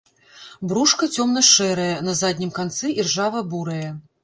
Брушка цёмна-шэрае, на заднім канцы іржава-бурае.